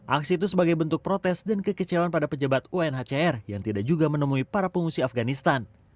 aksi itu sebagai bentuk protes dan kekecewaan pada pejabat unhcr yang tidak juga menemui para pengungsi afganistan